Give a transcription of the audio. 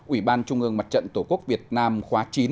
ủy ban trung ương mặt trận tổ quốc việt nam khóa chín